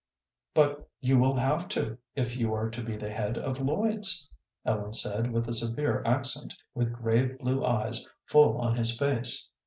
"But you will have to, if you are to be the head of Lloyd's," Ellen said, with a severe accent, with grave, blue eyes full on his face.